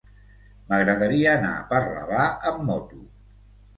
M'agradaria anar a Parlavà amb moto.